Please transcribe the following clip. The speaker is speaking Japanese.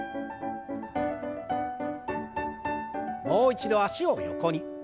もう一度脚を横に。